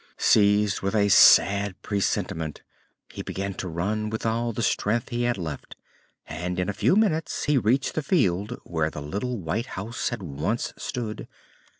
Seized with a sad presentiment, he began to run with all the strength he had left and in a few minutes he reached the field where the little white house had once stood.